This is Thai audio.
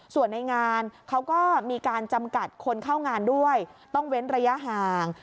ส่วนในงานเขาก็มีการจำกัดคนเข้างานด้วยต้องเว้นระยะห่าง